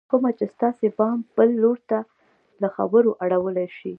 کومه چې ستاسې پام بل لور ته له خبرو اړولی شي